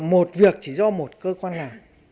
một việc chỉ do một cơ quan làm